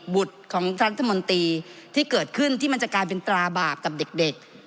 ของรัฐมนตรีที่เกิดขึ้นที่มันจะกลายเป็นตราบาปกับเด็ก